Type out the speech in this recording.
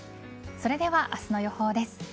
それでは、明日の予報です。